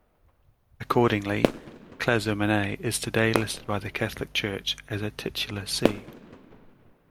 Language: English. Accordingly, Clazomenae is today listed by the Catholic Church as a titular see.